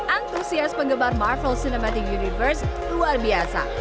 antusias penggemar marvel cinematic universe luar biasa